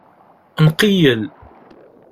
Nqeyyel.